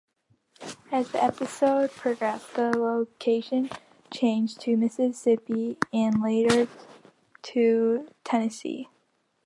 As the episodes progressed, the location changed to Mississippi, and later to Tennessee.